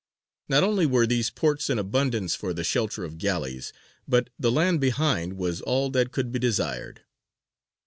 Not only were there ports in abundance for the shelter of galleys, but the land behind was all that could be desired.